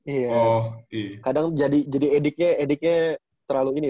iya kadang jadi adiknya terlalu ini